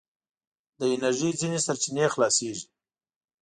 د انرژي ځينې سرچينې خلاصیږي.